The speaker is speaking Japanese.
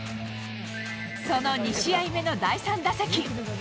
その２試合目の第３打席。